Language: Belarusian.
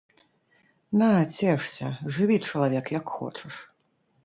На, цешся, жыві, чалавек, як хочаш!